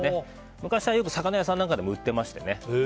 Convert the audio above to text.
昔はよく魚屋さんなんかでも売っていまして。